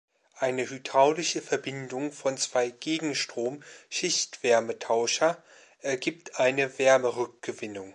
Eine hydraulische Verbindung von zwei Gegenstrom-Schichtwärmetauscher ergibt eine Wärmerückgewinnung.